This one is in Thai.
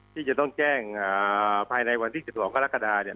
ที่จะต้องแจ้งภายในวันที่จะถูกขอรักษณะเนี่ย